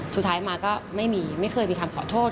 สุดท้ายมาก็ไม่มีไม่เคยมีคำขอโทษ